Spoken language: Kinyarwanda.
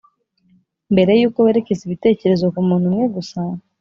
Mbere y uko werekeza ibitekerezo ku muntu umwe gusa